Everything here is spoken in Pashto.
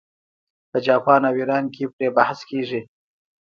په جاپان او ایران کې پرې بحث کیږي.